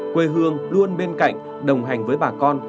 quê hương luôn bên cạnh đồng hành với bà con